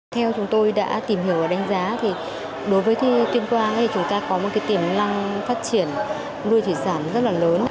theo chúng tôi đã tìm hiểu và đánh giá thì đối với tuyên quang chúng ta có một tiềm năng phát triển nuôi thủy sản rất là lớn